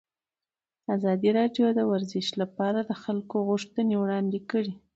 ازادي راډیو د ورزش لپاره د خلکو غوښتنې وړاندې کړي.